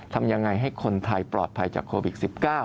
ทำยังไงให้คนไทยปลอดภัยจากโควิด๑๙